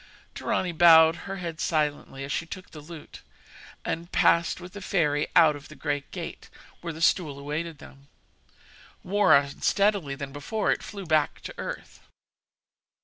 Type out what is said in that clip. Dorani bowed her head silently as she took the lute, and passed with the fairy out of the great gate, where the stool awaited them. More unsteadily than before, it flew back to earth.